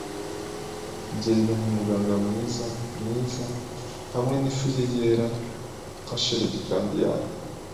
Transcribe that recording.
gereranya umuganga mwiza, mwiza, hamwe nifu ye yera nka shelegi kandi yaka,